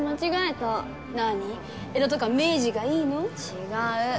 違う！